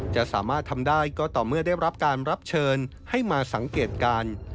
จะสามารถทำได้ก็ต่อเมื่อได้รับการรับเชิญให้มาสังเกตการ